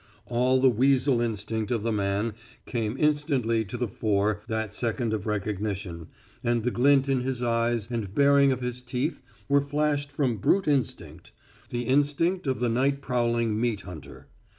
All the weasel instinct of the man came instantly to the fore that second of recognition, and the glint in his eyes and baring of his teeth were flashed from brute instinct the instinct of the night prowling meat hunter.